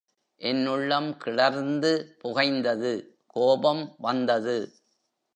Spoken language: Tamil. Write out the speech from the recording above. என் உள்ளம் கிளர்ந்து புகைந்தது, கோபம் வந்தது.